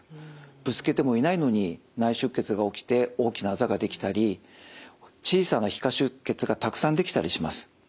ぶつけてもいないのに内出血が起きて大きなあざができたり小さな皮下出血がたくさんできたりします。